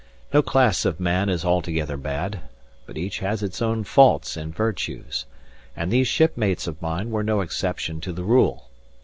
No class of man is altogether bad, but each has its own faults and virtues; and these shipmates of mine were no exception to the rule.